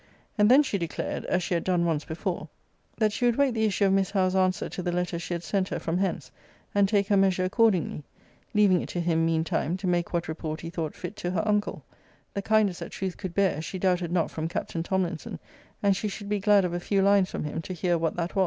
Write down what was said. and then she declared, as she had done once before, that she would wait the issue of Miss Howe's answer to the letter she had sent her from hence, and take her measures accordingly leaving it to him, mean time, to make what report he thought fit to her uncle the kindest that truth could bear, she doubted not from Captain Tomlinson: and she should be glad of a few lines from him, to hear what that was.